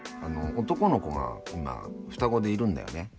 男の子が今双子でいるんだよね。